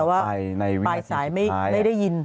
แต่ว่าปลายสายไม่ได้ยิน